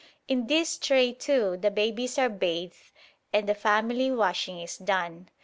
In this tray, too, the babies are bathed and the family washing is done.